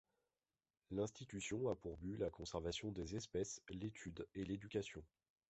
L'institution a pour but la conservation des espèces, l'étude et l'éducation.